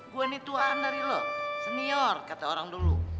gue ini tuhan dari lo senior kata orang dulu